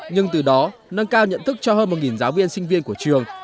nhưng từ đó nâng cao nhận thức cho hơn một giáo viên sinh viên của trường